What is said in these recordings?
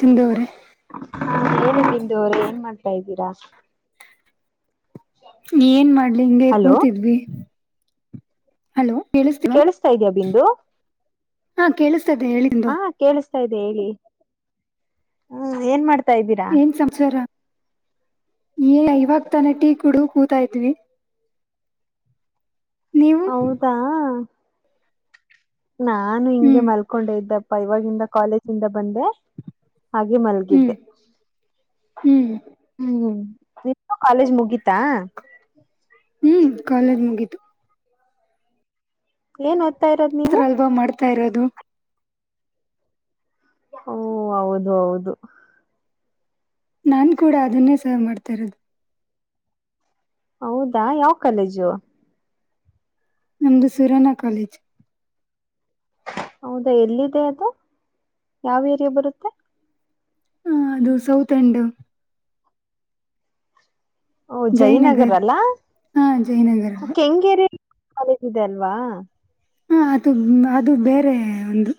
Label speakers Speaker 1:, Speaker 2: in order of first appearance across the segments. Speaker 1: ಚಂದೂರೆ
Speaker 2: ಹ ಹೇಳಿ ಬಿಂದು ಅವರೇ ಏನ್ ಮಾಡ್ತಾ ಇದ್ದೀರಾ.
Speaker 1: ಏನ್ ಮಾಡ್ಲಿ ಹಿಂಗೆ
Speaker 2: ಹಲೋ
Speaker 1: ಕೂತಿದ್ವಿ. ಹಲೋ ಕೇಳತವಾ
Speaker 2: ಕೇಳಿಸ್ತಾ ಇದ್ಯಾ ಬಿಂದು
Speaker 1: ಹ ಕೇಳಿಸ್ತದೆ ಹೇಳಿ. ಚಂದು
Speaker 2: ಹಾ ಕೇಳಿಸ್ತಾ ಇದ್ದೆ ಹೇಳಿ ಹ್ಮ ಏನ್ ಮಾಡ್ತಾ ಇದ್ದೀರಾ.
Speaker 1: ಏನ್ ಸಂಸಾರ ಏ ಇವಾಗ ತಾನ ಟೀ ಕುಡು ಕೂತಾಯತ್ ರೀ. ನೀವು
Speaker 2: ಹಾ ನಾನು ಹಿಂಗೆ
Speaker 1: ಹ್ಮ್
Speaker 2: ಮಲ್ಕೊಂಡೆ ಇದ್ದಪ್ಪ ಇವಾಗಿಂದ ಕಾಲೇಜಿಂದ ಬಂದೆ. ಹಾಗೆ
Speaker 1: ಹ್ಮ್
Speaker 2: ಮಲ್ಗಿದ್ದೆ.
Speaker 1: ಹ್ಮ್
Speaker 2: ಹ್ಮ್ ನಿಂದು ಕಾಲೇಜ್ ಮುಗಿತಾ.
Speaker 1: ಹ್ಮ್ ಕಾಲೇಜ್ ಮುಗೀತು.
Speaker 2: ಏನ್ ಓದ್ತ ಇರೋ ನೀ
Speaker 1: ತ್ರ ಅಲ್ವಾ ಮಾಡ್ತಾ ಇರೋದು.
Speaker 2: ಓ ಹೌದು ಹೌದು.
Speaker 1: ನಾನ್ ಕೂಡ ಅದನ್ನೇ ಸರ್ವ್ ಮಾಡ್ತಾ ಇರೋದು.
Speaker 2: ಹೌದಾ ಯಾವ ಕಾಲೇಜು.
Speaker 1: ನಮ್ದು ಸುರನಾ ಕಾಲೇಜ್.
Speaker 2: ಹೌದಾ ಎಲ್ಲಿದೆ ಅದು ಯಾವ ಏರಿಯಾ ಬರುತ್ತೆ.
Speaker 1: ಅದು ಸೌತ್ ಎಂಡ್.
Speaker 2: ಓ ಜಯನಗರ
Speaker 1: ಜಯನಗರ್
Speaker 2: ಅಲ್ಲಾ
Speaker 1: ಹಾ ಜಯನಗರ್ ಹಾ
Speaker 2: ಕೆಂಗೇರಿ ಕಾಲೇಜ್ ಇದೆ ಅಲ್ವಾ.
Speaker 1: ಹ ಅದು ಅದು ಬೇರೆ ಒಂದು.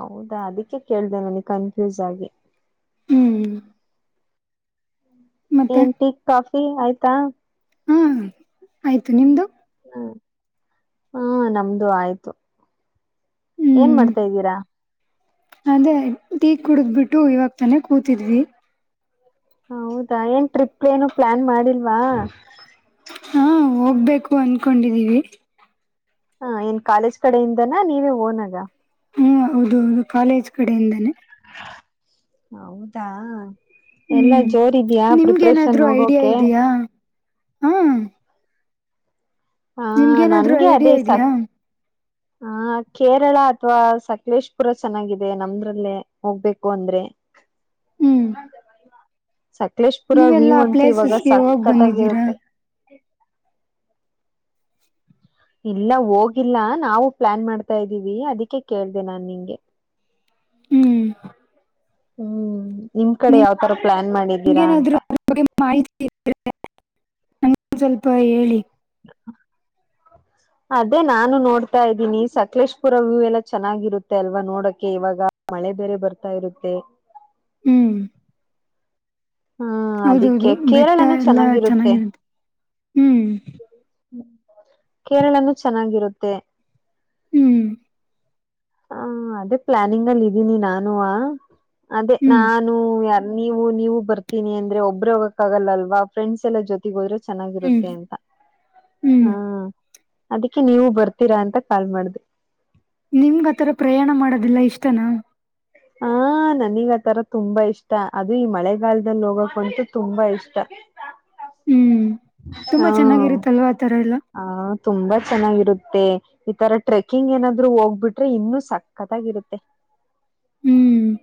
Speaker 2: ಹೌದಾ ಅದಕ್ಕೆ ಕೇಳ್ದ ನನಗೆ ಕನ್ಫ್ಯೂಸ್ ಆಗಿ.
Speaker 1: ಹ್ಮ್ ಮತ್ತೆ
Speaker 2: ಏನ್ಟಿ ಕಾಫಿ ಆಯ್ತಾ.
Speaker 1: ಹಾಂ ಆಯಿತು ನಿಮ್ಮದು.
Speaker 2: ಹ್ಮ ಹಾ ನಮ್ದು ಆಯ್ತು ಏನ್
Speaker 1: ಹ್ಮ್
Speaker 2: ಮಾಡ್ತಾ್ದೀರಾ.
Speaker 1: ಅದೇ ಟೀ ಕುಡಿದ್ಬಿಟ್ಟು ಇವಾಗ ತಾನೇ ಕೂತಿದ್ವಿ.
Speaker 2: ಹೌದಾ ಏನ್ ಟ್ರಿಪ್ ಏನು ಪ್ಲಾನ್ ಮಾಡಿಲ್ವಾ.
Speaker 1: ಹಾ ಹೋಗ್ಬೇಕು ಅನ್ಕೊಂಡಿದ್ದೀವಿ.
Speaker 2: ಹ ಏನ್ ಕಾಲೇಜ್ ಕಡೆಯಿಂದನ ನೀವೇ ಹೋನಾಗ.
Speaker 1: ಹ್ಮ್ ಹೌದುೌದು ಕಾಲೇಜ್ ಕಡೆಯಿಂದಾನೇ.
Speaker 2: ಹೌದಾ. ಎಲ್ಲಾ
Speaker 1: ಹ್ಮ್
Speaker 2: ಜೋರ ಇದ್ಯಾ ಪ್ರಿಪ್ರೇಷನ್
Speaker 1: ನಿಮ್ಗೇನಾದ್ರು
Speaker 2: ಹೋಗೋಕೆ.
Speaker 1: ಹ್ಮ
Speaker 2: ಹಾ
Speaker 1: ನಿಮ್ಗೇನಾದ್ರು
Speaker 2: ನನ್ಗೆ ಅದೇ
Speaker 1: ಐಡಿಯಾ
Speaker 2: ಸಾಕ
Speaker 1: ಇದೆಯಾ
Speaker 2: ಹ ಕೇರಳ ಅಥವಾ ಸಕಲೇಶ್ಪುರ ಚೆನ್ನಾಗಿದೆ ನಮ್ದ್ರಲ್ಲೇ ಹೋಗ್ಬೇಕು ಅಂದ್ರೆ.
Speaker 1: ಹ್ಮ್
Speaker 2: ಹಂತ ಮ [unintelligible] ಸಕಲೇಶ್ಪುರ ವಿ
Speaker 1: ನೀವೆಲ್ಲಾ
Speaker 2: ಅಂತು ಇವಾಗ
Speaker 1: ಪ್ಲೇಸಸ್ಗೆ ಹೋಗ್ ಬಂದಿದ್ದೀರಾ
Speaker 2: ಸಕತ್ತಾಗಿರುತ್ತೆ. ಇಲ್ಲ ಹೋಗಿಲ್ಲ ನಾವು ಪ್ಲಾನ್ ಮಾಡ್ತಾ ಇದ್ದೀವಿ ಅದಕ್ಕೆ ಕೇಳ್ದ ನಾನ್ ನಿಂಗೆ
Speaker 1: ಹ್ಮ್
Speaker 2: ಹ್ಮ್ ನಿಮ್ ಕಡೆ ಯಾವತರ ಪ್ಲಾನ್ ಮಾಡಿದ್ದೀರಾ ಅಂತ
Speaker 1: ನಿಮ್ಗೇನಾದ್ರು ಮಾಹಿತಿ ನಂ ಸ್ವಲ್ಪ ಹೇಳಿ
Speaker 2: [inaudible] ಅದೇ ನಾನು ನೋಡ್ತಾ ಇದ್ದೀನಿ ಸಕಲೇಶ್ಪುರ ವ್ಯೂ ಎಲ್ಲ ಚೆನ್ನಾಗಿರುತ್ತೆ ಅಲ್ವಾ ನೋಡಕ್ಕೆೆ ಇವಾಗ ಮಳೆ ಬೇರೆ ಬರ್ತಾ ಇರುತ್ತೆ
Speaker 1: ಹ್ಮ್
Speaker 2: ಹ್ಮ್
Speaker 1: ಹೌದೌದು
Speaker 2: ಅದಿಕ್ಕೆ
Speaker 1: ಬೆಟ್ಟ
Speaker 2: ಕೇರಳನೂ
Speaker 1: ಎಲ್ಲಾ
Speaker 2: ಚೆನ್ನಾಗಿರುತ್ತೆ
Speaker 1: ಹ್ಮ್
Speaker 2: ್ಮ ಕೇರಳನು ಚೆನ್ನಾಗಿರುತ್ತೆ
Speaker 1: ಹ್ಮ್
Speaker 2: ಹ ಅದೇ ಪ್ಲಾನಿಂಗ್ ಅಲ್ಲಿ ಇದ್ದೀನಿ ನಾನು ಅದೇ
Speaker 1: ಹ್ಮ್
Speaker 2: ನಾನು ಯಾರ ನೀವು ನೀವು ಬರ್ತೀನಿ ಅಂದ್ರೆ ಒಬ್ಬರು ಹೋಗಕ್ಕ ಆಗಲ್ಲ ಅಲ್ವಾ ಫ್ರೆಂಡ್ಸ್ ಎಲ್ಲಾ ಜೊ ಗೋದ್ರೆ
Speaker 1: ಹ್ಮ್
Speaker 2: ಚೆನ್ನಾಗಿರುತ್ತೆ ಅಂತ [unintelligible]
Speaker 1: ಹ್ಮ್
Speaker 2: ಹ್ಮ ಅದಕ್ಕೆ ನೀವು ಬರ್ತೀರಾ ಅಂತ ಕಾಲ್ ಮಾಡ್ದಿ
Speaker 1: ನಿಮ್ಗ ಆಥರ ಪ್ರಯಾಣ ಮಾಡೋದಿಲ್ಲ ಇಷ್ಟನಾ
Speaker 2: ಹಾ ನನಗ್ ಆ ತರ ತುಂಬಾ ಇಷ್ಟ ಅದು ಈ ಮಳೆಗಾಲದಲ್ಲಿ ಹೋಗಕ ಅಂತು ತುಂಬಾ ಇಷ್ಟ
Speaker 1: ಹ್ಮ್ ತುಂಬಾ ಚೆನ್ನಾಗಿರುತ್ತಲ್ವ ಆ ತರ ಎಲ್ಲ
Speaker 2: ಹಹ ತುಂಬಾ ಚೆನ್ನಾಗಿರುತ್ತೆ ಈತರ ಟ್ರೆಕ್ಕಿಂಗ್ ಏನಾದ್ರು ಹೋಗ್ಬಿಟ್ರೆ ಇನ್ನುೂ ಸಕ್ಕತ್ತಾಗಿರುತ್ತೆ
Speaker 1: ಹ್ಮ್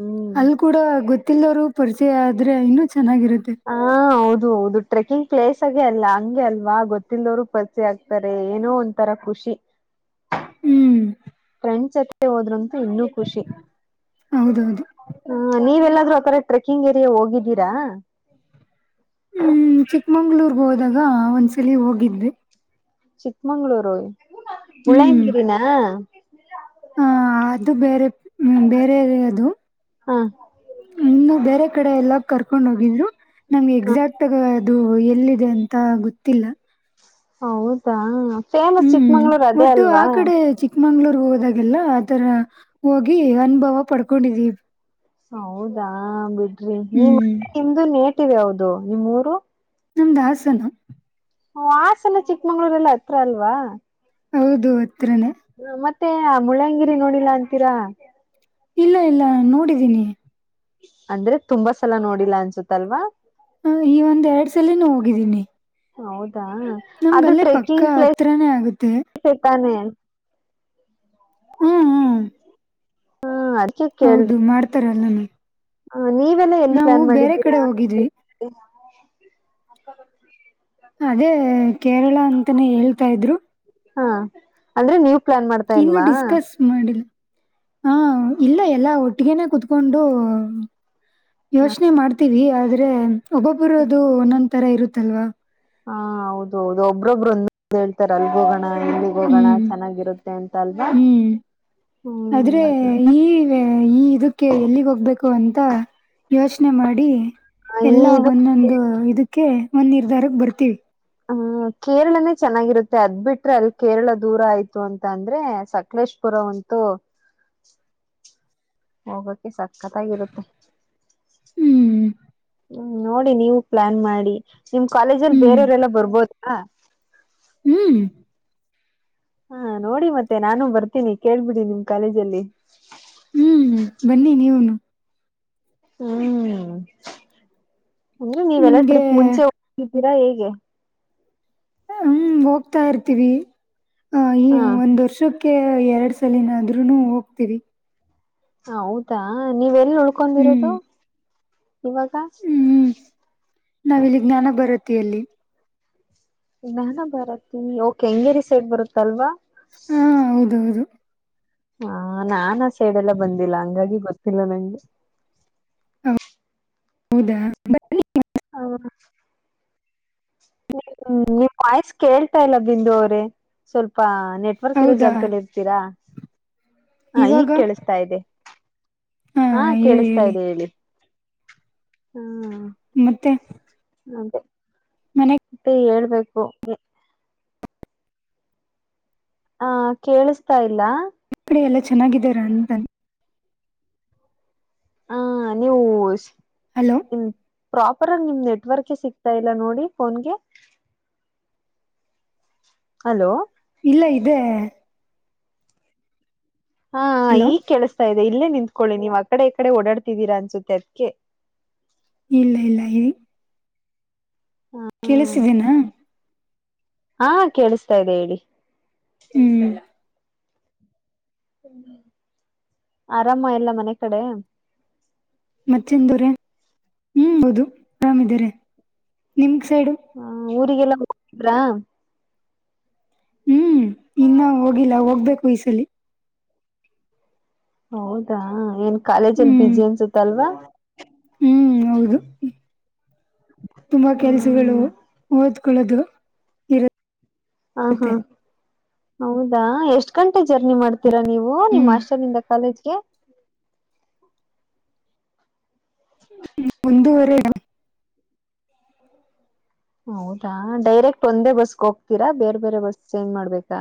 Speaker 2: ಹ್ಮ್
Speaker 1: ಅಲ್ಲಿ ಕೂಡ ಗೊತ್ತಿಲ್ಲದವ್ರು ಪರಿಚಯ ಆದ್ರೆ ಇನ್ನುೂ ಚೆನ್ನಾಗಿರುತ್ತೆ
Speaker 2: ಹಾ ಹೌದು ಹೌದು ಟ್ರೆಕಿಂಗ್ ಪ್ಲೇಸ್ ಆಗೆ ಅಲ್ಲ ಹಂಗೆ ಅಲ್ವಾ ಗೊತ್ತಿಲ್ಲಲ್ೋರು ಪಲ್ಚಿ ಆಗ್ತಾರೆ ಏನೋ ಒಂಂತರ ಖುಷಿ
Speaker 1: ಹ್ಮ್
Speaker 2: ಫ್ರೆಂಡ್ಸ್ ಜೊತೆ ಹೋದ್ರಂತೂ ಇನ್ನೂ ಖುಷಿ
Speaker 1: ಹೌದೌದು
Speaker 2: ಹ ನೀವೆಲ್ಲಾದ್ರೂ ಆಥರ ಟ್ರೆಕಿಂಗ್ ಏರಿಯ ಹೋಗಿದ್ದೀರಾ
Speaker 1: ಚಿಕ್ಕಮಂಗ್ಳೂರ್ಗೆ ಹೋದಾಗ ಒಂದ್ಸಲ ಹೋಗಿದ್ದೆ
Speaker 2: ಚಿಕ್ಕಮಂಗಗಳೂರು ಉಳಯನಂಗಿರಿಿನ
Speaker 1: ಹಾ ಅದು ಬೇರೆ ಹ್ಮ ಬೇರೆ ಅದು
Speaker 2: ಹ ಹಾ
Speaker 1: ಇನ್ನು ಬೇರೆ ಕಡೆ ಎಲ್ಲ ಕರ್ಕೊಂಡ್ ಹೋಗಿದ್ರು ನಮ್ಗೆ ಎಕ್ಸಾಕ್ಟ್ಗ ಅದು ಎಲ್ಲಿದೆ ಅಂತ ಗೊತ್ತಿಲ್ಲ
Speaker 2: ಹೌದಾ ಫೇಮಸ್ ಚಿಕ್ಕಮಂಗ್ಳೂರ್ ಅದೇ ಅಲ್ವಾ
Speaker 1: ಚಿಕ್ಮಂಗ್ಳೂರ್ ಹೋದಾಗೆಲ್ಲ ಆಥರ ಹೋಗಿ ಅನುಭವ ಪಡ್ಕೊಂಡಿದೀವಿ
Speaker 2: ಹೌದಾ ಬಿಡ್ರಿ ನಿ ಮ
Speaker 1: ಹ್ಮ್
Speaker 2: ನಿಮ್ದು ನೇಟಿವ ಹಾವದು ನಿಮೂರು
Speaker 1: ನಮ್ದಾಹಸನ
Speaker 2: ಹ ಹಾಸನ ಚಿಕ್ಕಮಂಗ್ಳೂರ್ಲ್ಲ ಹತ್ರ ಅಲ್ವಾ
Speaker 1: ಹೌದು ಹತ್ರನೇ
Speaker 2: ಹ ಮತ್ತೆ ಮುಳ್ಳ್ಯಂಗಿರಿ ನೋಡಿಲ್ಲ ಅಂತೀರಾ
Speaker 1: ಇಲ್ಲ ಇಲ್ಲ ನೋಡಿದೀನಿ
Speaker 2: ಅಂದ್ರೆ ತುಂಬಾ ಸಲ ನೋಡಿಲ್ಲ ಅನ್ಸುತ್ತಲ್ವಾ
Speaker 1: ಹ ಈ ಒಂದ್ ಎರಡ್ ಸಲಿನೂ ಹೋಗಿದ್ದೀನಿ
Speaker 2: ಹೌದಾ
Speaker 1: ನಮ್ಗಲ್ಲೇ ಪಕ್ಕ ಹತ್ರಾನೇ ಆಗುತ್ತೆ
Speaker 2: ಶಕಾನೆ
Speaker 1: [inaudible]
Speaker 2: [unintelligible] ಹಾ
Speaker 1: ಹೌದು ಮಾಡ್ತಾರಲ್ಲಾನ
Speaker 2: ಹ ನೀವೆಲ್ಲ ಎಲ್ಲಿ ಲ್ಯಾನ್ ಮಾಡಿದ್ದೀರಾ
Speaker 1: ಕಡೆ ಹೋಗಿದ್ವಿ ಅದೇ ಕೇರಳ ಅಂತಾನೇ ಹೇಳ್ತಾ ಇದ್ರು
Speaker 2: ಹಾ ಅಂದ್ರೆ ನೀವು
Speaker 1: ಇನ್ನು ಡಿಸ್ಕಸ್ ಮಾಡಿಲ್ಲ ಹ ಇಲ್ಲ ಎಲ್ಲಾ ಒಟ್ಟಗನೆೇ ಕುೂತ್ಕೊಂಡು
Speaker 2: ಹ
Speaker 1: ಯೋಚನೆ ಮಾಡ್ತೀವಿ ಆದ್ರೆ ಒಬ್ಬೊಬ್ಬರೋದು ಒಂದೊಂದ ತರ ಇರುತ್ತಲ್ವಾ
Speaker 2: ಹಾ ಹೌದ ಹೌದು ಒಬ್ಬ್ರೊಬ್ರು ಒಂದ ಹೇಳ್ತಾರ ಅಲ್ಗೋ ಗಣ ಇಲ್ಲಿ ಹೋಗೋಣ
Speaker 1: ಹ್ಮ್
Speaker 2: ಚೆನ್ನಾಗಿರುತ್ತೆ ಅಂತ ಅಲ್ವಾ
Speaker 1: ಹ್ಮ್
Speaker 2: ಹ್ಮ್
Speaker 1: ಆದ್ರೆ
Speaker 2: ಅ
Speaker 1: ಈ ಈ ಇದಕ್ಕೆ ಎಲ್ಲಿಗೆ ಹೋಗ್ಬೇಕು ಅಂತ ಯೋಚನೆ ಮಾಡಿ ಎಲ್ಲಾ
Speaker 2: ಇದು
Speaker 1: ಒಂದೊಂದು ಇದಕ್ಕೆ ಒಂದ್ ನಿರ್ಧಾರಕ್ ಬರ್ತೀವಿ
Speaker 2: ಹ್ಮ್ ಕೇರಳನೇ ಚೆನ್ನಾಗಿರುತ್ತೆ ಅದ್ ಬಿಟ್ರೆ ಅಲ್ಲಿ ಕೇರಳ ದೂರ ಆಯ್ತು ಅಂತ ಅಂದ್ರೆ ಸಕಲೇಶ್ ಪೂರ ಉಂತು ಹೋಗೋಕೆ ಸಕ್ಕತ್ತಾಗಿರುತ್ತೆ
Speaker 1: ಹ್ಮ್
Speaker 2: ಹ್ಮ್ ನೋಡಿ ನೀವು ಪ್ಲಾನ್ ಮಾಡಿ ನಿಮ್ ಕಾಲೇಜ ಅಲ್ಲಿ
Speaker 1: ಹ್ಮ್
Speaker 2: ಬೇರೆಯವರೆಲ್ಲ ಬರ್ಬೋದಾ
Speaker 1: ಹ್ಮ್
Speaker 2: ಹಾ ನೋಡಿ ಮತ್ತೆ ನಾನು ಬರ್ತೀನಿ ಕೇಳ್ಬಿಡಿ ನಿಮ್ ಕಾಲೇಜಲ್ಲಿ
Speaker 1: ಹ್ಮ್ ಬನ್ನಿ ನೀವನು
Speaker 2: ಹ್ಮ್ ಅಂದ್ರೆ ನೀವೆಲ್ಲಾ
Speaker 1: ನಿಮ್ಗೆ
Speaker 2: ಟ್ರಿಪ್ ಮುಂಚೆ ಹೋಗಿದ್ದೀರಾ ಹೇಗೆ
Speaker 1: ಹ ಹೋಗ್ತಾ ಇರ್ತೀವಿ ಈ
Speaker 2: ಹಾ
Speaker 1: ಒಂದು್ ವರ್ಷ ಅಕಕ್ಕೆ ಎರಡು ಸಲಿನಾದ್ರು ಹೋಗ್ತೀವಿ
Speaker 2: ಹೌದಾ ನೀವ ಎಲ್ಲಿ ಉಳ್ಕೊಂಡಿರೋದು
Speaker 1: ಹ್ಮ್
Speaker 2: ಇವಾಗ
Speaker 1: ಹ್ಮ್ ನಾವಿಲ್ಲಿ ಜ್ಞಾನ ಬರತ್ತ ಅಲ್ಲಿ
Speaker 2: ನಾನ ಬರತ್ತೀನಿ ಓಕೆ ಹಂಗೇರಿ ಸೈಡ್ ಬರುತ್ತಲ್ವಾ
Speaker 1: ಹಾ ಹೌದ ಹೌದು
Speaker 2: ಹ ನಾಾನಾ ಸೈಡೆ ಎಲ್ಲ ಬಂದಿಲ್ಲ ಹಂಗಾಗಿ ಗೊತ್ತಿಲ್ಲ ನಂಗೆ
Speaker 1: ಹೌದಾ
Speaker 2: ಹ ಹ್ಮ ನೀವ್ ವಾಯ್ಸ್ ಕೇಳ್ತಾ ಇಲ್ಲ ಬಿಂದು ಅವ್ರೇ ಸ್ವಲ್ಪ ನೆಟ್ಟ ಬರ್ತಿಿರೋ
Speaker 1: ಹೌದಾ
Speaker 2: ಜಾಗದಲ್ಲಿ ಇರ್ತೀರಾ ಹ
Speaker 1: ಇವಾಗ
Speaker 2: ಈಗ್ ಕೇಳಿಸ್ತಾ ಇದೆ ಹಾ ಕೇಳಿಸ್ತಾ ಇದೆ ಹೇಳಿ ಹ್ಮ
Speaker 1: ಮತ್ತೆ
Speaker 2: ಅದೆ
Speaker 1: ಮನೆ
Speaker 2: ಮತ್ತೆ ಹೇಳ್ಬೇಕು ಹ ಕೇಳಿಸತಾ ಇಲ್ಲ
Speaker 1: ಕಡೆ ಎಲ್ಲ ಚೆನ್ನಾಗಿದಾರ ಅಂತಾನ
Speaker 2: ಹ ನೀವು
Speaker 1: ಹಲೋ
Speaker 2: ಪ್ರಾಪರ್ ಆಗ ನಿಮ್ ನೆಟ್ವರ್ಕ್ ಸಿಗ್ತಾ ಇಲ್ಲ ನೋಡಿ ಫೋನ್ಗೆ ಹಲೋ
Speaker 1: ಇಲ್ಲ ಇದೆ
Speaker 2: ಹಾ
Speaker 1: ಹಲೋ
Speaker 2: ಈಗ ಕೆೇಳಸ್ತಾ ಇದೆ ಇಲ್ಲೇ ನಿಂತ್ಕೊಳ್ಳಿ ನೀವ್ ಅ ಕಡೆ ಈ ಕಡೆ ಓಡಾಡ್ತಿದ್ದೀರಾ ಅನ್ಸುತ್ತೆ ಅದ್ಕ್ಕೆ
Speaker 1: ಇಲ್ಲ ಇಲ್ಲ ಇ
Speaker 2: ಹ್ಮ್
Speaker 1: ಕೇಳಿಸಿದೆೇನಾ
Speaker 2: ಹಾ ಕೇಳಿಸ್ತಾ ಇದೆ ಹೇಳಿ
Speaker 1: ಹ್ಮ್
Speaker 2: ಆರಾಮ ಎಲ್ಲ ಮನೆ ಕಡೆ
Speaker 1: ಮತ್ತೆನ್ ದವರೆ ಹ್ಮ ಹೌದು ಆರಾಮಿದೀರೆ ನಿಮ ಸೈಡು
Speaker 2: ಹ ಊರಿಗೆಲ್ಲ ಹೋಗಿದ್ರಾ
Speaker 1: ಹ್ಮ್ ಇನ್ನ ಹೋಗಿಲ್ಲ ಹೋಗ್ಬೇಕು ಈಸಲಿ
Speaker 2: ಹೌದಾ ಏನ್ ಕಾಲೇಜಲ್ಲಿ
Speaker 1: ಹ್ಮ್
Speaker 2: ಬುಿಸಿಿ ಅನ್ಸುತ್ತ ಅಲ್ವಾ
Speaker 1: ಹ್ಮ್ ಹೌದು ತುಂಬಾ ಕೆಲ್ಸಗಳು
Speaker 2: ಹ್ಮ್
Speaker 1: ಓದ್ಕೊಳ್ಳೋದು
Speaker 2: ಹಾ ಹಾ
Speaker 1: ಇರುತ್ತೆ
Speaker 2: ಹೌದಾ ಎಷ್ಟ್ ಗಂಟೆ ಜರ್ನಿ ಮಾಡ್ತೀರಾ ನೀವು ನಿಮ್ಮ್
Speaker 1: ಹ್ಮ್
Speaker 2: ಅಸ್ನಿಂದ ಕಾಲೇಜ್ಗೆ
Speaker 1: ಮುಂದುವರೆ ಟಿ
Speaker 2: ಹೌದಾ ಡೈರೆಕ್ಟ್ ಒಂದೇ ಬಸ್ಗೆ ಹೋಗ್ತೀರಾ ಬೇರೆ ಬೇರೆ ಬಸ್ ಚೇಂಜ್ ಮಾಡ್ಬೇಕಾ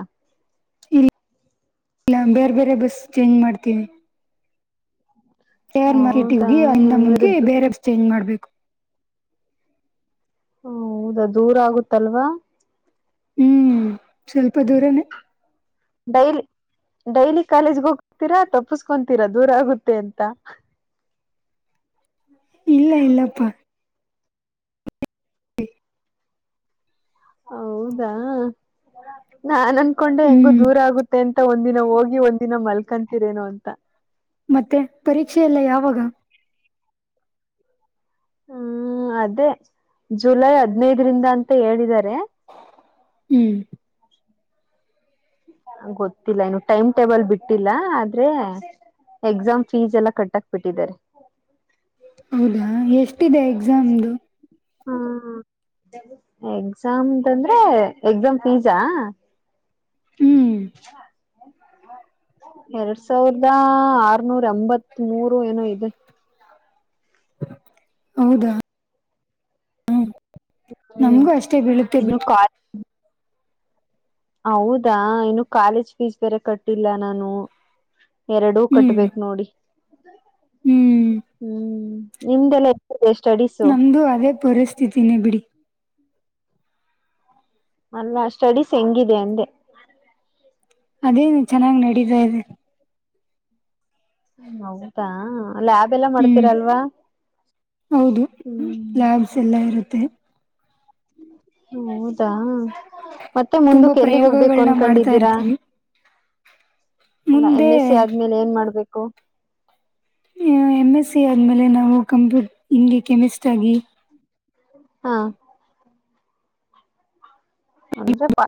Speaker 1: ಇಲ್ಲ ಬೇರೆ ಬೇರೆ ಬಸ್ ಚೇಂಜ್ ಮಾಡ್ತೀವಿ ಹೇರ್ ಮಾರ್ಕೆಟ್
Speaker 2: ಹೌದಾ
Speaker 1: ಹೋಗಿ ಅಂದ
Speaker 2: ಹಂಗಾರೆ
Speaker 1: ಮುಂದಿ
Speaker 2: ದೂ
Speaker 1: ಬೇರೆ ಚೇಂಜ್ ಮಾಡ್ಬೇಕು
Speaker 2: ಹ ಹೌದಾ ದೂರ ಆಗುತ್ತಲ್ವಾ
Speaker 1: ಹ್ಮ್ ಸ್ವಲ್ಪ ದೂರನೇ
Speaker 2: ಡೈಲಿ ಡೈಲಿ ಕಾಲೇಜ್ಗೆ ಹೋಗ್ತೀರಾ ತಪ್ಪಸ್ಕೊತೀರಾ ದೂರ ಆಗುತ್ತೆ ಅಂತ
Speaker 1: ಇಲ್ಲ ಇಲ್ಲಪ್ಪ
Speaker 2: ಹೌದಾ ನಾನ ಕಕೊಂಡೆ ಹೆಂಗು
Speaker 1: ಹ್ಮ್
Speaker 2: ದೂರ ಆಗುತ್ತೆ ಅಂತ ಒಂದ ದಿನ ಹೋಗಿ ಒಂದಿನ ಮಲ್ಕೊಂತಿರೇನು ಅಂತ
Speaker 1: ಮತ್ತೆ ಪರೀಕ್ಷೆ ಎಲ್ಲ ಯಾವಾಗ
Speaker 2: ಹ್ಮ್ ಅದೇ ಜುಲೈ ಹದ್ನೈದರಿಂದ ಅಂತ ಹೇಳಿದ್ದಾರೆ
Speaker 1: ಹ್ಮ್
Speaker 2: ಗೊತ್ತಿಲ್ಲ ಇನು ಟೈಮ್ ಟೇಬಲ್ ಬಿಟ್ಟಿಲ್ಲ ಆದ್ರೆ ಎಕ್ಸಾಮ್ ಫೀಸ್ ಎಲ್ಲ ಕಟ್ಟಾಕ್ ಬಿಟ್ಟಿದ್ದಾರೆ
Speaker 1: ಹೌದಾ ಎಷ್ಟಿದೆ ಎಕ್ಸಾಮದುು
Speaker 2: ಹಾ ಹಾ ಎಕ್ಸಾಮ್ಂದ್ರೆ ಎಕ್ಸಾಮ್ ಫೀಸಾ
Speaker 1: ಹ್ಮ್
Speaker 2: ಇಲ್ಲ ಎರಡ್ ಸಾವಿರದ ಆರ್ನೂರ ಎಂಬತ್ ಮೂರು ಏನೋ ಇದೆ
Speaker 1: ಹೌದಾ
Speaker 2: ಹ್ಮ್
Speaker 1: ನಮ್ಗೂ ಅಷ್ಟೇ ಬೀಳುತ್ತೆ
Speaker 2: ಇನ್ನು
Speaker 1: ಬಿಟ್ಟು
Speaker 2: ಕಾಲ ಹೌದಾ ಇನ್ನು ಕಾಲೇಜ್ ಫೀಸ್ ಬೇರೆ ಕಟ್ಟಿಲ್ಲ ನಾನು ಎರಡೂ
Speaker 1: ಹ್ಮ್
Speaker 2: ಕಟ್ಬೇಕಕ್ ನೋಡಿ
Speaker 1: ಹ್ಮ್
Speaker 2: ಹ್ಮ್ ನಿಮ್ದೆಲ್ಲ ಇದೆ ಸ್ಟಡೀಸ್
Speaker 1: ನಮ್ಮದು ಅದೇ ಪರಿಸ್ಥಿತಿನೇ ಬಿಡಿ
Speaker 2: ಅಲ್ಲ ಸ್ಟಡೀಸ್ ಹೆಂಗಿದೆ ಅಂದೆ
Speaker 1: ಅದೇ ಚೆನ್ನಾಗ್ ನಡೀತಾ ಇದೆ
Speaker 2: ಹೌದಾ ಅಲ್ಲ ಆಬ ಎಲ್ಲಾ ಮಾಡ್ತೀರ
Speaker 1: ಹ್ಮ್
Speaker 2: ಅಲ್ವಾ ಹ್ಮ
Speaker 1: ಸೆಲ್ಲ ಇರುತ್ತೆ
Speaker 2: ಹೌದಾ ಮತ್ತೆ
Speaker 1: ತುಂಬಾ
Speaker 2: ಮುಂದಕ್ಕೆ ಎಲ್ಲಿಗ್ ಹೋಗ್ಬೇಕು
Speaker 1: ಪ್ರಯೋಗಗಳನ್ನ ಮಾಡ್ತಾ
Speaker 2: ಅನ್ಕೊಂಡಿದ್ದೀರಾ
Speaker 1: ಇರ್ತೀವಿ
Speaker 2: ಅಲ್ಲ ಎಂ
Speaker 1: ಮುಂದೆ
Speaker 2: ಎಸ್ ಸಿ ಆದ್ಮೇಲೆ ಏನ್ ಮಾಡ್ಬೇಕು
Speaker 1: ಎಮ್ ಎಸ್ ಸಿ ಆದಮೇಲೆ ನಾವು ಕಂಪ್ಯೂ ಹಿಂಗೆ ಕೆಮಿಸ್ಟ್ ಆಗಿ
Speaker 2: ಹಾ ಅೆ ಪ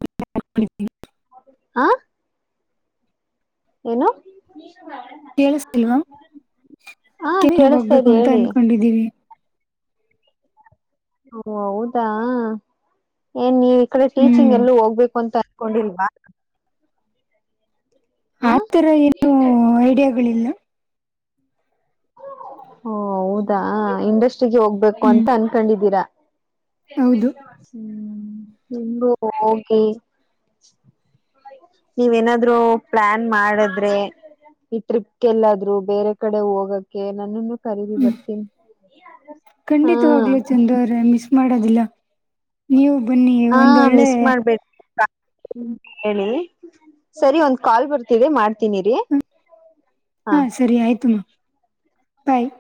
Speaker 1: ಕ
Speaker 2: ಹಾ ಏನು
Speaker 1: ಕೇಳಿಸ್ತಿಲ್ವಾ
Speaker 2: ಹ ಕೇಳಿಸತಾ ಇದ್ದ ಹೇಳಿ
Speaker 1: ನಿದ್ದೀವಿ
Speaker 2: ಹ ಹೌದಾ ಏನ್ ನೀವ್ ಈ ಕಡೆ ಟೀಚಿಂಗ್
Speaker 1: ಹ್ಮ್
Speaker 2: ಎಲ್ಲೂ ಹೋಗ್ಬೇಕು ಅಂತ ಕೊಂಡಿಲ್ವಾ ಆ
Speaker 1: ಆತರ ಏನುೂ ಐಡಿಯಾಗಳಿಲ್ಲ
Speaker 2: ಓ ಹೌದಾ ಇಂಡಸ್ಟ್ರಿಗೆ ಹೋಗ ು
Speaker 1: ಹ್ಮ್
Speaker 2: ಅಂತ ಅನ್ಕೊಂಡಿದೀರ
Speaker 1: ಹೌದು
Speaker 2: ಹ್ಮ್ ನಿು ಹೋಗಿ ನೀವೇನಾದ್ರು ಪ್ಲಾನ್ ಮಾಡಿದ್ರೆ ಈ ಟ್ರಿಪ್ ಎಲ್ಲಾದ್ರು ಬೇರೆ ಕಡೆ ಹೋಗಕ್ಕೆ ನನ್ನನ್ನು ಕರೀದ ಬರ್ತೀನಿ ಹಾ
Speaker 1: ಖಂಡಿತವಾಗ್ಲ ಚಂದವ್ರೆ ಮಿಸ್ ಮಾಡೋದಿಲ್ಲ ನೀವು ಬನ್ನಿ
Speaker 2: ಹಾ
Speaker 1: ಒಂದೊಳ್ಳೆ
Speaker 2: ಮಿಸ್ ಮಾಡ್ಬೇಕು ಹ್ಮ ಹೇಳಿ ಸರಿ ಒಂದ್ ಕಾಲ್ ಬರ್ತಿದೆ ಮಾಡ್ತೀನಿರಿ
Speaker 1: ಹಾ ಸರಿ ಆಯ್ತುಮ್ಮ ಬಾಯ್